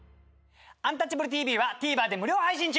「アンタッチャブるＴＶ」はＴＶｅｒで無料配信中！